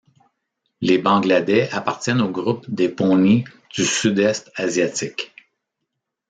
Les Bangladais appartiennent au groupe des poneys du Sud-Est asiatique.